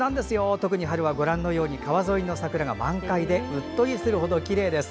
特に春はご覧のように川沿いの桜が満開でうっとりするほどきれいです。